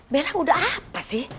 bella udah apa sih